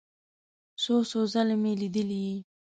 څو څو ځله مې لیدلی یې.